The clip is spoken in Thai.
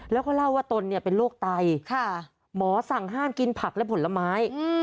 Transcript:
แล้วก็เล่าว่าตนเป็นโรคไตหมอสั่งห้ามกินผักและผลไม้